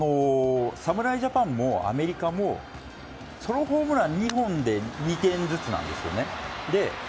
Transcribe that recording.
侍ジャパンもアメリカもソロホームラン２本で２点ずつなんですよね。